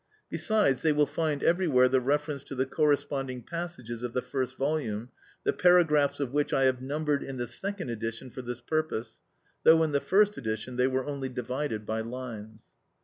Besides, they will find everywhere the reference to the corresponding passages of the first volume, the paragraphs of which I have numbered in the second edition for this purpose, though in the first edition they were only divided by lines.